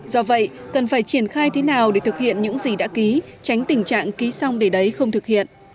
do vậy cần phải triển khai thế nào để thực hiện những gì đã ký tránh tình trạng ký xong để đấy không thực hiện